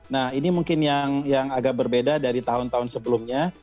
nah ini mungkin yang agak berbeda dari tahun tahun sebelumnya